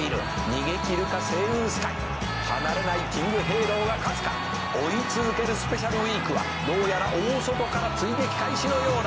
「逃げ切るかセイウンスカイ」「離れないキングヘイローが勝つか」「追い続けるスペシャルウィークはどうやら大外から追撃開始のようだ」